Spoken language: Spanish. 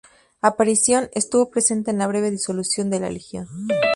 Aparición estuvo presente en la breve disolución de la Legión.